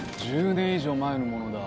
１０年以上前のものだ